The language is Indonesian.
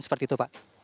seperti itu pak